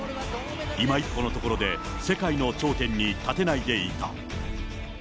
いま一歩のところで、世界の頂点に立てないでいた。